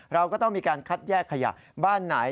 เราก็ต้องมีการคัดแยกขยะบ้านไหน